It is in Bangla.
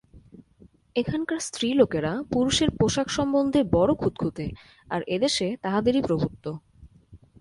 এখানকার স্ত্রীলোকেরা পুরুষের পোষাক সম্বন্ধে বড় খুঁতখুঁতে, আর এদেশে তাহাদেরই প্রভুত্ব।